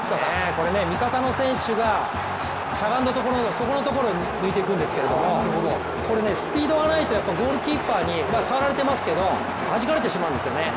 これ、味方の選手がしゃがんだところを抜いていくんですけどもこれスピードがないとゴールキーパーに触られていますけれども、はじかれてしまうんですよね。